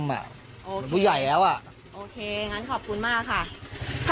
เป็นผู้ใหญ่แล้วอ่ะโอเคงั้นขอบคุณมากค่ะ